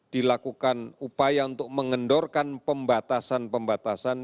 dilakukan upaya untuk mengendorkan pembatasan pembatasan